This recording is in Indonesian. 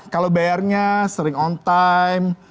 kalau bayarnya sering on time